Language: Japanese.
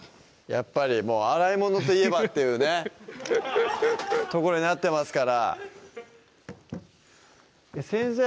やっぱり洗い物といえばっていうねとこになってますから先生